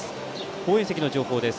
応援席の情報です。